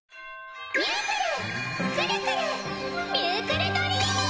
ミュークルクルクルミュークルドリーミー！